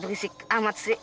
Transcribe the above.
berisik amat sih